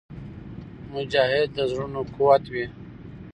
مجاهد د زړونو قوت وي.